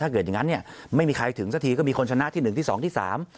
อย่างงั้นเนี่ยไม่มีใครถึงสักทีก็มีคนชนะที่หนึ่งที่สองที่สาม